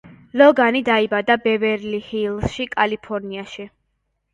ლოგანი დაიბადა ბევერლი-ჰილზში, კალიფორნიაში.